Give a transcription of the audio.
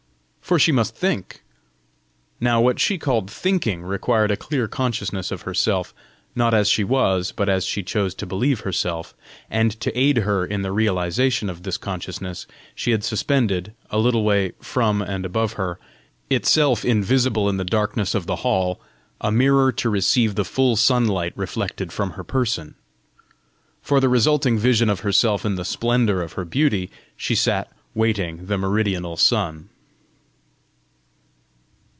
For she must think! Now what she called THINKING required a clear consciousness of herself, not as she was, but as she chose to believe herself; and to aid her in the realisation of this consciousness, she had suspended, a little way from and above her, itself invisible in the darkness of the hall, a mirror to receive the full sunlight reflected from her person. For the resulting vision of herself in the splendour of her beauty, she sat waiting the meridional sun.